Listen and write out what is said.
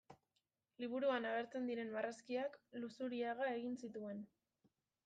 Liburuan agertzen diren marrazkiak Luzuriaga egin zituen.